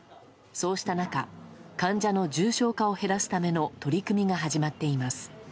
そうした中、患者の重症化を減らすための取り組みが始まっています。